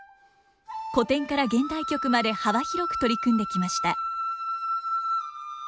古典から現代曲まで幅広く取り組んできました。